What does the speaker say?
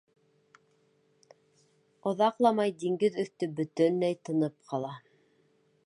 Оҙаҡламай диңгеҙ өҫтө бөтөнләй тынып ҡала.